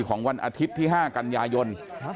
วันอาทิตย์ที่๕กันยายน